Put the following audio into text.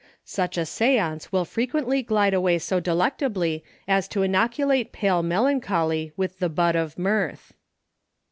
Such a seance will frequently glide away so delectably as to inoculate pale melancholy with the bud of mirth.